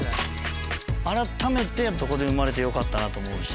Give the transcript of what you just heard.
改めてそこで生まれてよかったなと思うし。